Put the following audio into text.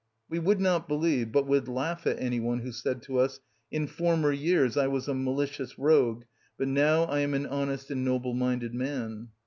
We would not believe but would laugh at any one who said to us, "In former years I was a malicious rogue, but now I am an honest and noble minded man."